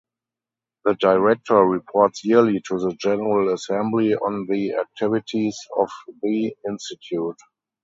The Director reports yearly to the General Assembly on the activities of the Institute.